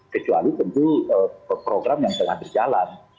kecuali tentu program yang tengah berjalan